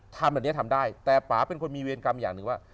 ทำแบบนี้ทำได้แต่ป่าเป็นคนมีเวรกรรมอย่างหนึ่งว่า